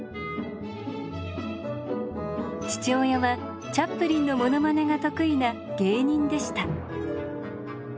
父親はチャップリンのものまねが得意な芸人でした。